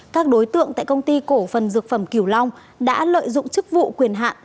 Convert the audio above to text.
các đối tượng tại công ty cổ phần dược phẩm kiều long đã lợi dụng chức vụ quyền hạn